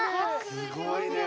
すごいね！